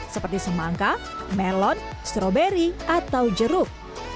seperti semangka melon stroberi atau jeruk